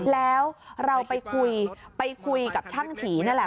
แล้วเราไปคุยไปคุยกับช่างฉี่นั่นแหละ